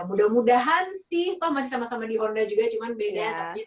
mudah mudahan sih toh masih sama sama di honda juga cuman beda